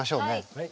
はい。